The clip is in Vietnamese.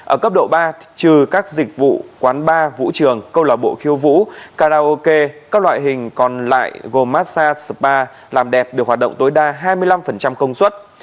ở cấp độ ba trừ các dịch vụ quán bar vũ trường câu lạc bộ khiêu vũ karaoke các loại hình còn lại gồm massage spa làm đẹp được hoạt động tối đa hai mươi năm công suất